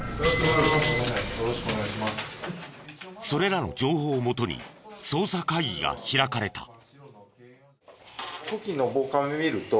それらの情報を元に捜査会議が開かれた。